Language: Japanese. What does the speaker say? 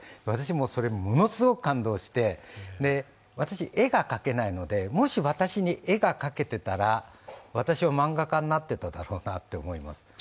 私、それものすごく感動して、私は絵が描けないのでもし私に絵が描けてたら、私は漫画家になってただろうなと思います。